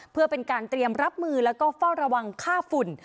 เพื่อเป็นการเตรียมรับมือแล้วก็เฝ้าระวังค่าฝุ่น